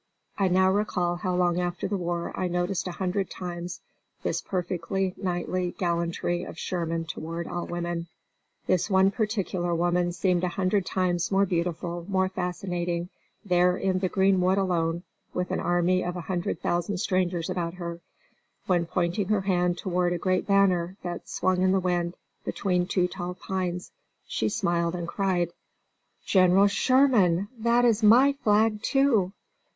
I now recall how long after the war I noticed a hundred times this perfectly knightly gallantry of Sherman toward all women. This one particular woman seemed a hundred times more beautiful, more fascinating, there in the green wood alone, with an army of a hundred thousand strangers about her, when, pointing her hand toward a great banner that swung in the wind between two tall pines, she smiled and cried: "General Sherman, THAT IS MY FLAG TOO."